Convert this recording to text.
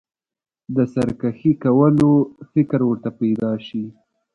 د سرکښي کولو فکر ورته پیدا شي.